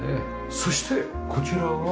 そしてこちらは靴入れ？